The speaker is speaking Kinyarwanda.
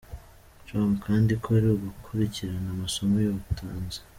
com kandi ko ari gukurikirana amasomo y’ubutoza.